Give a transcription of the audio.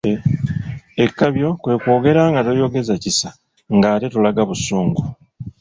Ekkabyo kwe kwogera nga toyogeza kisa nga ate tolaga busungu.